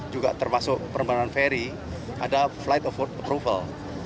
juga termasuk penerbangan ferry ada flight of approval